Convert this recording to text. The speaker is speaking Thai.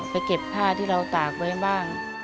เก็บผ้าที่เราตากไว้บ้าง